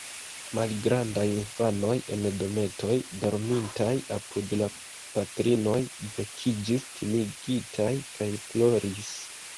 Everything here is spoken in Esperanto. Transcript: Malgrandaj infanoj en dometoj, dormintaj apud la patrinoj, vekiĝis timigitaj kaj ploris.